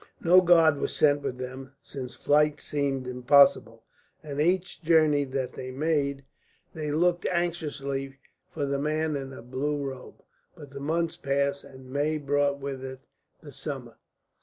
No guard was sent with them, since flight seemed impossible, and each journey that they made they looked anxiously for the man in the blue robe. But the months passed, and May brought with it the summer.